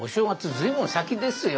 随分先ですよ。